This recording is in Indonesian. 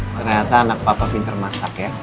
ternyata anak papa pinter masak ya